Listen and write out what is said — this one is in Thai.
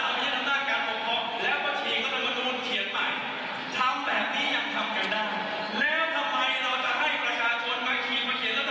และกำกัดมรดบบของพ่อศักดิ์ช้อน้วยยุติที่สองครับนี่คือสิทธิ์ที่พระธรรมนาคมของประชา